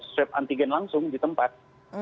swab antigen langsung di tempat